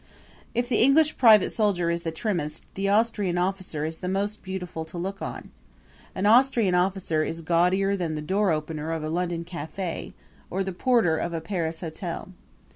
If the English private soldier is the trimmest, the Austrian officer is the most beautiful to look on. An Austrian officer is gaudier than the door opener of a London cafe or the porter of a Paris hotel.